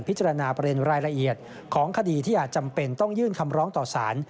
ประเด็นรายละเอียดของคดีที่อาจจำเป็นต้องยื่นคำร้องต่อสาร